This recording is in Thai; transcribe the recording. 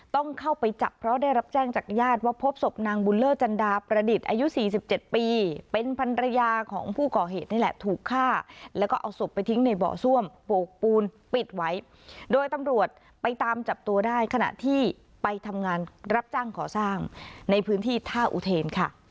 ต้องเข้าไปจับเพราะได้รับแจ้งจากญาติว่าพบศพนางบุญเลอร์จันดาประดิษฐ์อายุ๔๗ปีเป็นพันรยาของผู้ก่อเหตุนี่แหละถูกฆ่าแล้วก็เอาศพไปทิ้งในเบาะซ่วมโปรกปูนปิดไว้โดยตำรวจไปตามจับตัวได้ขณะที่ไปทำงานรับจ้างก่อสร้างในพื้นที่ท่าอุเทนค่ะ